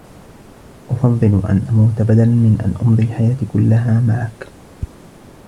أفضّل أن أموت بدلا من أن أمضي حياتي كلّها معك.